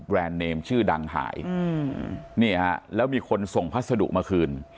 เนมชื่อดังหายนี่ฮะแล้วมีคนส่งพัสดุมาคืน